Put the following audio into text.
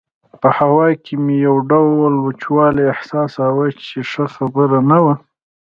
په هوا کې مې یو ډول وچوالی احساساوه چې ښه خبره نه وه.